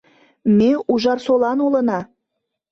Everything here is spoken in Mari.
Ме Ужарсолан улына!